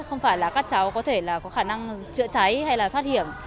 không phải là các cháu có thể là có khả năng chữa cháy hay là thoát hiểm